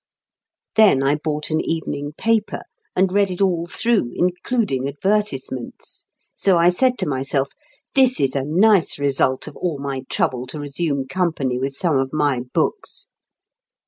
Then I bought an evening paper, and read it all through, including advertisements. So I said to myself: "This is a nice result of all my trouble to resume company with some of my books!"